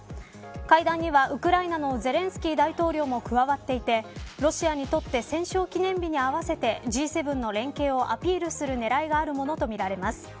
会談には、ウクライナのゼレンスキー大統領も加わっていてロシアにとって戦勝記念日に合わせてＧ７の連携をアピールする狙いがあるものとみられます。